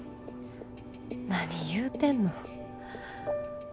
何言うてんの。